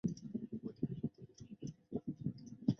他回应这一声明时却表现得很成熟。